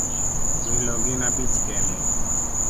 Welo gin abich kende